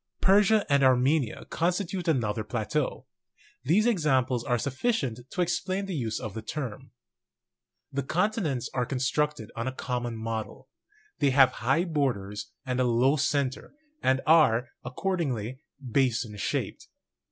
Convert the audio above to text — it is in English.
Persia and Armenia constitute another plateau. These examples are sufficient to explain the use of the term. The continents are constructed on a common model: 94 GEOLOGY they have high borders and a low center, and are, accord ingly, basin shaped.